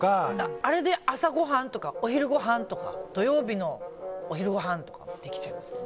あれで朝ごはんとかお昼ごはんとか土曜日のお昼ごはんとかできちゃいますからね。